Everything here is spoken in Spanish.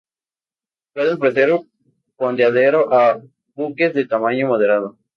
Puede ofrecer fondeadero a buques de tamaño moderado.